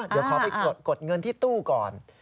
เดี๋ยวขอไปกดเงินที่ตู้ก่อน